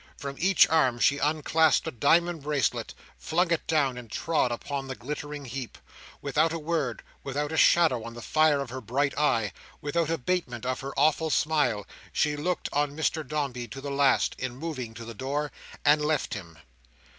From each arm, she unclasped a diamond bracelet, flung it down, and trod upon the glittering heap. Without a word, without a shadow on the fire of her bright eye, without abatement of her awful smile, she looked on Mr Dombey to the last, in moving to the door; and left him.